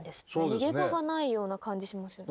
逃げ場がないような感じしますよね。